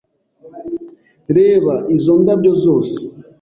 Reba izo ndabyo zose.